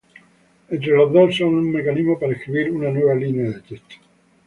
Entre los dos, son un mecanismo para escribir una nueva línea de texto.